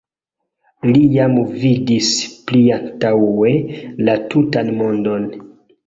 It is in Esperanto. Li jam vidis pliantaŭe la tutan mondon.